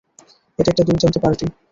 এটা একটা দুর্দান্ত পার্টি।